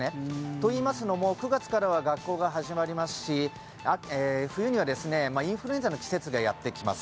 といいますのも９月からは学校が始まりますし冬にはインフルエンザの季節がやってきます。